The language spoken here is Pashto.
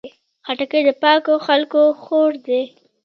خټکی د پاکو خلکو خوړ دی.